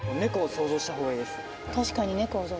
確かに猫を想像。